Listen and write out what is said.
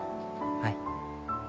はい。